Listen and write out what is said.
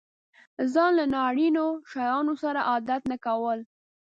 ځان له نا اړينو شيانو سره نه عادت کول.